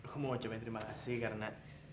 aku mau cobain terima kasih karena